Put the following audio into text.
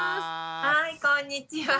はいこんにちは。